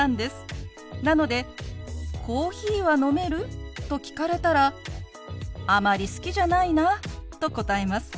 なので「コーヒーは飲める？」と聞かれたら「あまり好きじゃないな」と答えます。